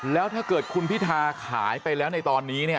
แล้วถ้าเกิดคุณพิธาขายไปแล้วในตอนนี้เนี่ย